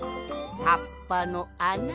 はっぱのあな。